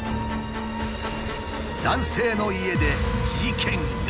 男性の家で事件が。